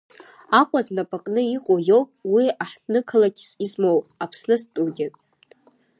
Аҟәа знапаҟны иҟоу иоуп уи аҳҭнықалақьс измоу, Аԥсны зтәугьы.